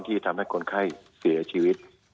ที่ทำให้คนไข้เสียชีวิต